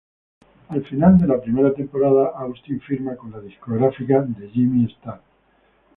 Al final de la primera temporada, Austin firma con la discográfica de Jimmy Starr.